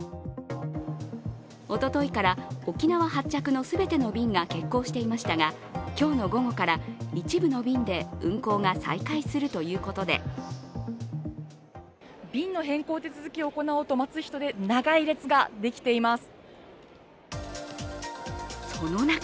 おとといから、沖縄発着の全ての便が欠航していましたが今日の午後から一部の便で運航が再開するということで便の変更手続きを行おうと待つ人で長い列ができています。